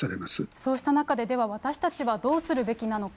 そうした中で、では私たちは、どうするべきなのか。